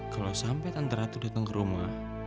kalau sampai tante ratu datang ke rumah